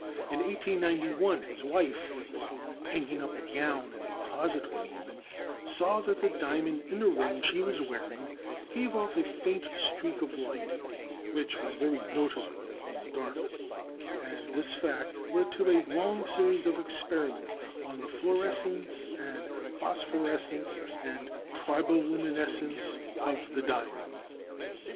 In 1891 his wife, while hanging up a gown in a closet one evening, saw that the diamond in a ring she was wearing gave off a faint streak of light which was very noticeable in the dark, and this fact led to a long series of experiments on the fluorescence, phosphorescence, and triboluminescence of the diamond.